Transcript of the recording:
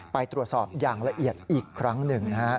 ไปตรวจสอบอย่างละเอียดอีกครั้งหนึ่งนะฮะ